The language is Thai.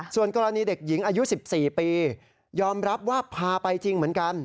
ส่วนกรณีเด็กหญิงอายุ๑๔ปียอมรับว่าพาไปจริงเหมือนกัน